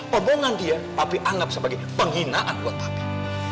hubungan dia papi anggap sebagai penghinaan buat papi